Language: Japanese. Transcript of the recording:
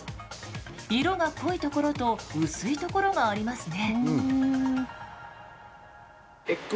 色が濃いところと薄いところがありますね。